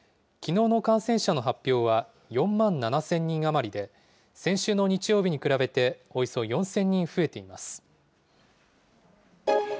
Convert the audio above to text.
きのうの感染者の発表は４万７０００人余りで、先週の日曜日に比べておよそ４０００人増えています。